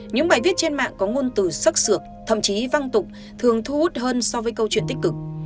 những bài viết trên mạng có ngôn từ sắc sược thậm chí văng tục thường thu hút hơn so với câu chuyện tích cực